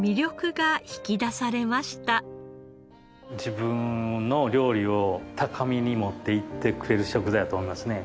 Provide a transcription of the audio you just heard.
自分の料理を高みに持っていってくれる食材だと思いますね。